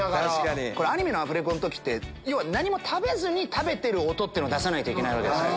アニメのアフレコの時って何も食べずに食べてる音を出さないといけないわけですよ。